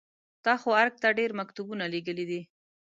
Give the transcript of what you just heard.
تا خو ارګ ته ډېر مکتوبونه لېږلي دي.